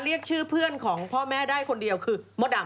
เรียกชื่อเพื่อนของพ่อแม่ได้คนเดียวคือมดดำ